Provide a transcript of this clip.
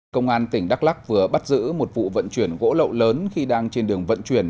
công an tỉnh đắk lắc vừa bắt giữ một vụ vận chuyển gỗ lậu lớn khi đang trên đường vận chuyển